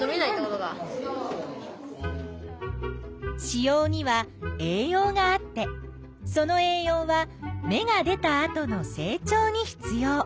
子葉には栄養があってその栄養は芽が出たあとの成長に必要。